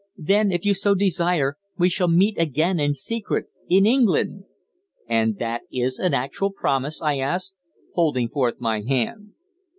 Then, if you so desire, we shall meet again in secret in England." "And that is an actual promise?" I asked, holding forth my hand.